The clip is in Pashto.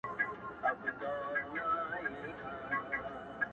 ما نن خپل خدای هېر کړ” ما تاته سجده وکړه”